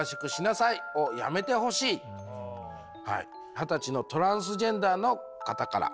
二十歳のトランスジェンダーの方から。